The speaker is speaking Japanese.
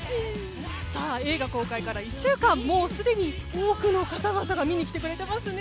映画公開から１週間もうすでに多くの方々が見に来てくれてますね。